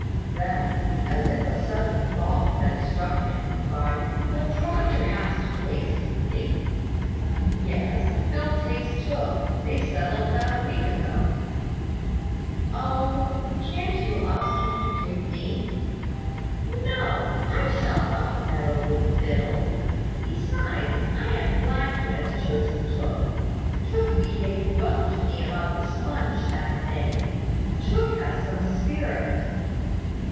Then, as if a sudden thought had struck him, he cried, "But Proctor has to take somebody." "Yes; Phil takes Tooke. They settled that a week ago." "Oh! Can't you ask him to take me?" "No; I shall not meddle with Phil. Besides, I am glad he has chosen Tooke. Tooke behaved well to me about the sponge that day. Tooke has some spirit."